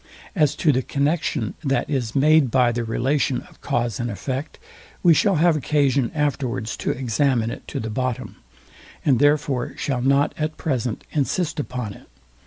As to the connexion, that is made by the relation of cause and effect, we shall have occasion afterwards to examine it to the bottom, and therefore shall not at present insist upon it.